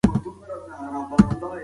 دا خبره چې هغه وکړه مهمه ده.